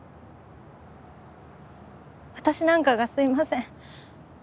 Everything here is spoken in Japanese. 私なんかがすいません。